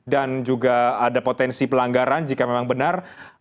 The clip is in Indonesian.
dan juga ada potensi pelanggaran jika memang benar